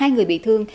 hai người bị thương